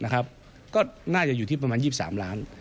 ก็น่าจะอยู่ที่ประมาณ๒๓ล้าน